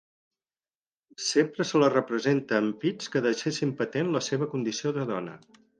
Sempre se la representa amb pits que deixessin patent la seva condició de dona.